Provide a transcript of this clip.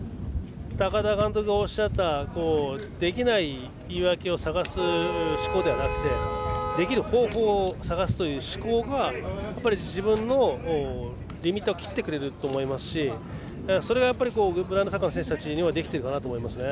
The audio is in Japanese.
高田監督がおっしゃったできない言い訳を探す思考ではなくてできる方法を探すという思考が自分のリミッターを切ってくれると思いますしそれが、ブラインドサッカーの選手たちにはできているかなと思います。